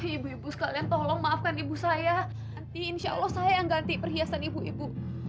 ibu ibu sekalian tolong maafkan ibu saya nanti insya allah saya yang ganti perhiasan ibu ibu